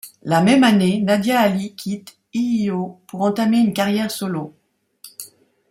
La même année, Nadia Ali quitte iiO pour entamer une carrière solo.